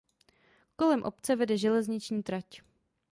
Kolem obce vede železniční trať.